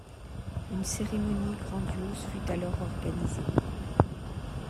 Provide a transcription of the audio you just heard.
Une cérémonie grandiose fut alors organisée.